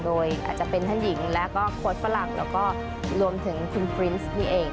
โดยอาจจะเป็นท่านหญิงแล้วก็โค้ดฝรั่งแล้วก็รวมถึงคุณฟรินส์นี่เอง